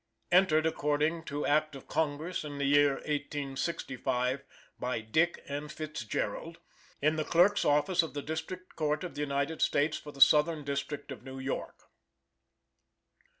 Entered according to Act of Congress, in the year 1865, By DICK & FITZGERALD, In the Clerk's Office of the District Court of the United States for the Southern District of New York.